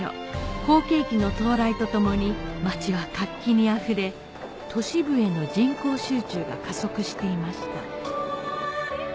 好景気の到来とともに街は活気にあふれ都市部への人口集中が加速していました